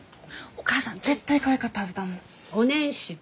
お母さん絶対かわいかったはずだもん。お年始と。